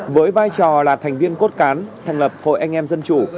với vai trò là thành viên cốt cán thành lập hội anh em dân chủ